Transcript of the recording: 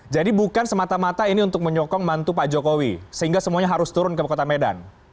jadi bukan semata mata ini untuk menyokong mantu pak jokowi sehingga semuanya harus turun ke kota medan